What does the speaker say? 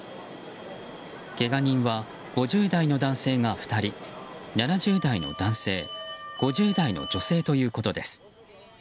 けが人は５０代の男性が２人７０代の男性５０代の女性ということです。